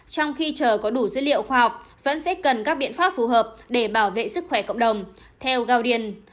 trong khi chờ có đủ dữ liệu khoa học vẫn sẽ cần các biện pháp phù hợp để bảo vệ sức khỏe cộng đồng theo goodian